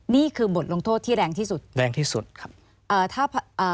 นี่คือบทลงโทษที่แรงที่สุดนะคะแรงที่สุดค่ะ